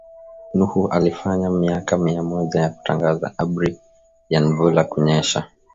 Nuhu alifanya myaka mia moja ya kutangaza abri ya nvula ku nyesha